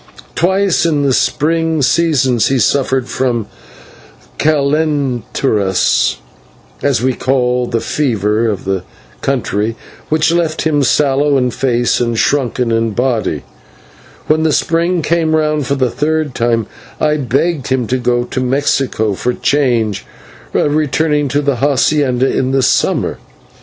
Twice in the spring seasons he suffered from /calenturas/, as we call the fever of the country, which left him sallow in face and shrunken in body; and when the spring came round for the third time, I begged him to go to Mexico for change, returning to the /hacienda/ in the summer.